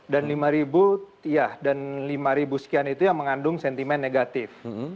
dan lima sekian itu yang mengandung sentimen negatif